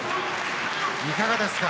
いかがですか。